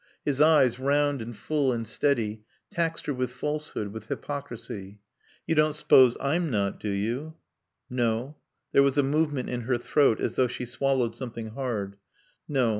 His eyes, round and full and steady, taxed her with falsehood, with hypocrisy. "You don't suppose I'm not, do you?" "No." There was a movement in her throat as though she swallowed something hard. "No.